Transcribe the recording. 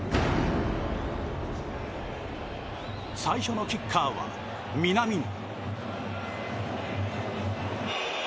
最初のキッカーは、南野。